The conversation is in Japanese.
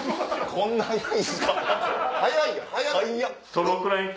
こんな早いんすか？